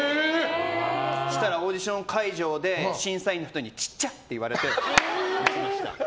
そしたらオーディション会場で審査員の人にちっちゃ！って言われて。